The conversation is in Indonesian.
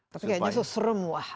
tapi kayaknya susrem wah